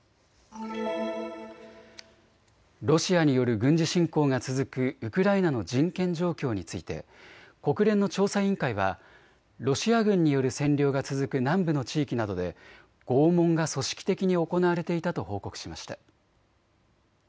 ロシアによる軍事侵攻が続くウクライナの人権状況について国連の調査委員会はロシア軍による占領が続く南部の地域などで拷問が組織的に行われていたと報告しました。